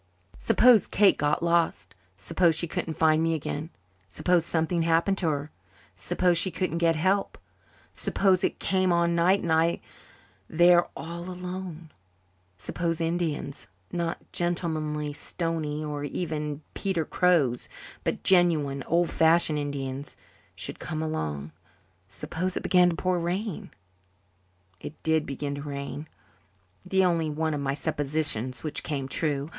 Suppose Kate got lost suppose she couldn't find me again suppose something happened to her suppose she couldn't get help suppose it came on night and I there all alone suppose Indians not gentlemanly Stoneys or even Peter Crows, but genuine, old fashioned Indians should come along suppose it began to pour rain! It did begin to rain, the only one of my suppositions which came true.